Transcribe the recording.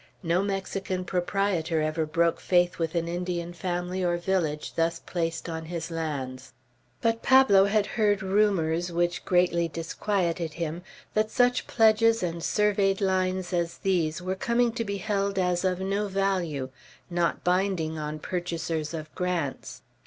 No Mexican proprietor ever broke faith with an Indian family or village, thus placed on his lands. But Pablo had heard rumors, which greatly disquieted him, that such pledges and surveyed lines as these were corning to be held as of no value, not binding on purchasers of grants.